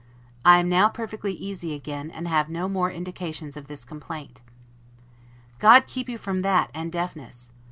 I am now perfectly easy again, and have no more indications of this complaint. God keep you from that and deafness!